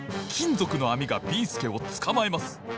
ぞくのあみがビーすけをつかまえます。